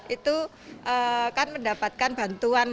itu kan mendapatkan bantuan